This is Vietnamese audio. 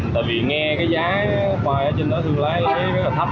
tại vì nghe cái giá khoai ở trên đó thương lái lấy rất là thấp